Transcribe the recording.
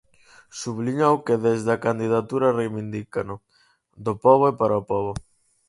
Subliñou que desde a candidatura reivindícano "do pobo e para o pobo".